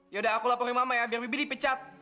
yaudah aku laporin mama ya biar bibi dipecat